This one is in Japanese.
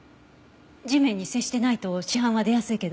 地面に接してないと死斑は出やすいけど。